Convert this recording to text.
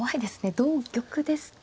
同玉ですと。